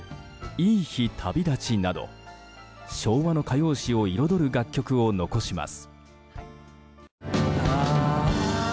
「いい日旅立ち」など昭和の歌謡史を彩る楽曲を残します。